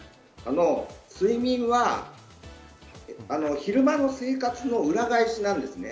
睡眠は昼間の生活の裏返しなんですね。